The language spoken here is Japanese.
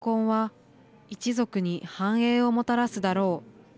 この結婚は一族に繁栄をもたらすだろう。